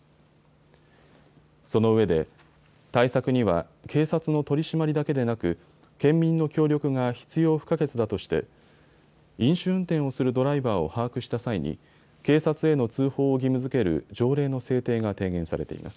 そのうえで対策には警察の取締りだけでなく県民の協力が必要不可欠だとして飲酒運転をするドライバーを把握した際に警察への通報を義務づける条例の制定が提言されています。